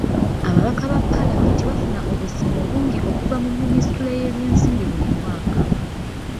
Ababaka ba palamenti bafuna obusiimo bungi okuva mu minisitule y'ebyensimbi buli mwaka.